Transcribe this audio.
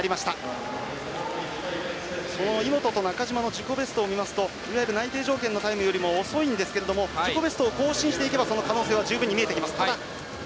井本と中島の自己ベストを見ますと内定条件のタイムよりも遅いんですけど自己ベストを更新していけばその可能性が十分に見えてきます。